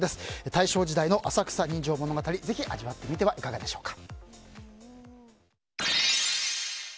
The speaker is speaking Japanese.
大正時代の浅草人情物語ぜひ味わってみてはいかがでしょうか。